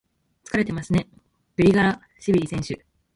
疲れてますね、グリガラシビリ選手。